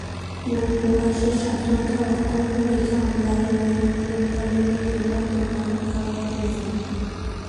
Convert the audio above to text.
মতপ্রকাশের স্বাধীনতা অক্ষণ্ন রেখে online web পোর্টালের নীতিমালা প্রণয়ন করা প্রয়োজন।